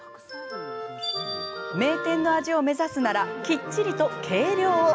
名店の味を目指すならきっちりと計量を！